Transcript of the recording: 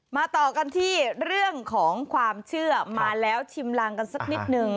ต่อกันที่เรื่องของความเชื่อมาแล้วชิมรังกันสักนิดนึง